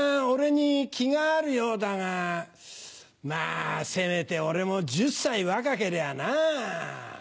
俺に気があるようだがまぁせめて俺も１０歳若けりゃあなぁ。